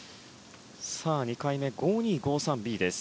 ２回目、５２５３Ｂです。